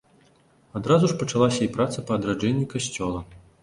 Адразу ж пачалася і праца па адраджэнні касцёла.